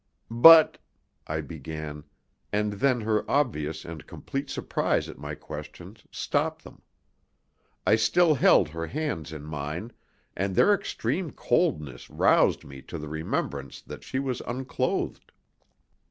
"But " I began; and then her obvious and complete surprise at my questions stopped them. I still held her hands in mine, and their extreme coldness roused me to the remembrance that she was unclothed.